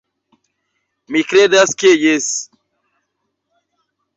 Mi kredas ke jes.